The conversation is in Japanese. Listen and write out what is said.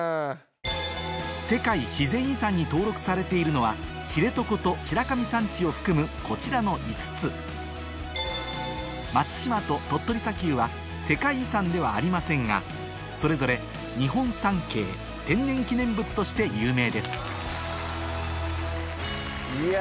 世界自然遺産に登録されているのは知床と白神山地を含むこちらの５つ松島と鳥取砂丘は世界遺産ではありませんがそれぞれ日本三景天然記念物として有名ですいや。